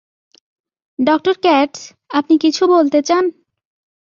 Doctor Katz, আপনি কিছু বলতে চান?